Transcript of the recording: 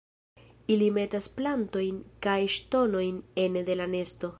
Ili metas plantojn kaj ŝtonojn ene de la nesto.